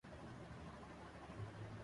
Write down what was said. کاروباری اداروں کو مزید مراعات کی پیشکش